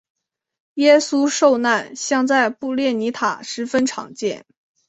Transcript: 耶稣受难像在布列尼塔十分常见。